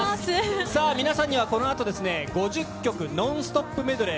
さあ、皆さんにはこのあとですね、５０曲ノンストップメドレー